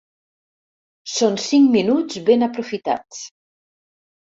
Són cinc minuts ben aprofitats.